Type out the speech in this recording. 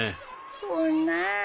そんな。